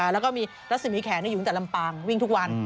แล้วก็มีรัศมีแขนอยู่ตั้งแต่ลำปางวิ่งทุกวัน